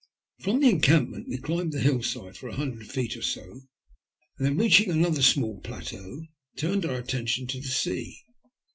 From the encampment we climbed the hill side for a hundred feet or so, and then, reaching another small plateau, turned our attention to the sea.